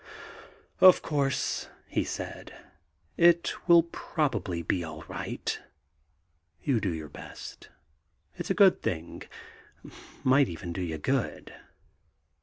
"Of course," he said, "it will probably be all right. You do your best. It's a good thing ... might even do you good."